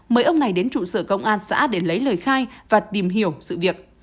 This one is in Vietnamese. mời ông này đến trụ sở công an xã để lấy lời khai và tìm hiểu sự việc